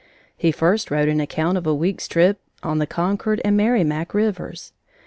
He first wrote an account of a week's trip on the Concord and Merrimac rivers.